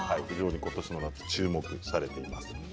今年の夏、注目されています。